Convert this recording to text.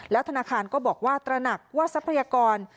ธนาคารก็บอกว่าตระหนักว่าทรัพยากร